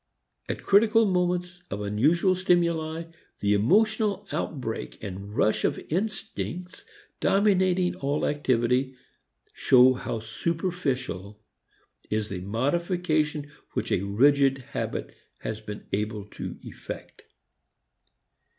At critical moments of unusual stimuli the emotional outbreak and rush of instincts dominating all activity show how superficial is the modification which a rigid habit has been able to effect.